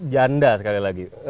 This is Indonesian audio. janda sekali lagi